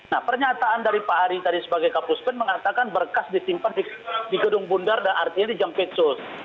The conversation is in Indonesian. nah pernyataan dari pak hari tadi sebagai kapuspen mengatakan berkas disimpan di gedung bundar dan artinya di jampitsus